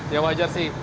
ya wajar sih